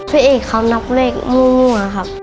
พี่เอกเขานับเลขมั่วครับ